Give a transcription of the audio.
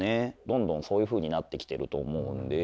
どんどんそういうふうになってきてると思うんで。